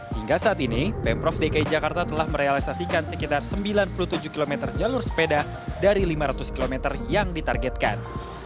hingga saat ini pemprov dki jakarta telah merealisasikan sekitar sembilan puluh tujuh km jalur sepeda dari lima ratus km yang ditargetkan